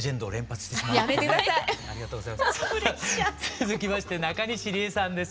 続きまして中西りえさんです。